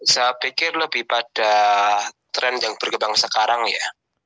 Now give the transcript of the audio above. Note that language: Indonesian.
saya pikir lebih pada tren yang berkembang sekarang ya